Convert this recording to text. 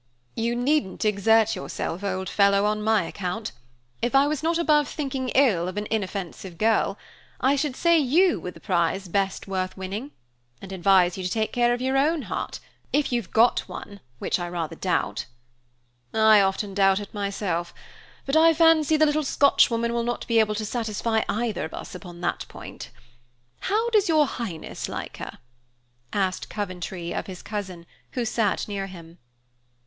"You needn't exert yourself, old fellow, on my account. If I was not above thinking ill of an inoffensive girl, I should say you were the prize best worth winning, and advise you to take care of your own heart, if you've got one, which I rather doubt." "I often doubt it, myself; but I fancy the little Scotchwoman will not be able to satisfy either of us upon that point. How does your highness like her?" asked Coventry of his cousin, who sat near him.